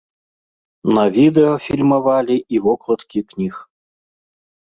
На відэа фільмавалі і вокладкі кніг.